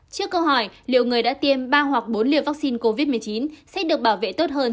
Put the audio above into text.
trước câu hỏi liệu người đã tiêm ba hoặc bốn liều vaccine covid một mươi chín sẽ được bảo vệ tốt hơn